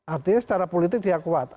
artinya secara politik dia kuat